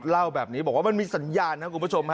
เล่าแบบนี้บอกว่ามันมีสัญญาณนะคุณผู้ชมฮะ